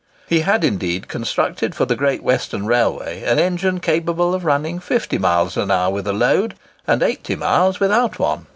He had, indeed, constructed for the Great Western Railway an engine capable of running 50 miles an hour with a load, and 80 miles without one.